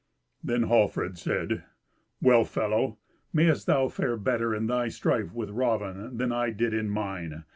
Then Hallfred said, "Well, fellow, may'st thou fare better in thy strife with Raven than I did in mine.